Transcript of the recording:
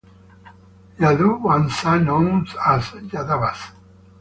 Yadu Vamsa known as Yadavas.